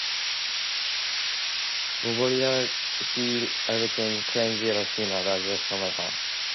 Mbolea hii iwekwe kuzunguka shina la nyanya